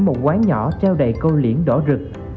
một quán nhỏ treo đầy câu liễn đỏ rực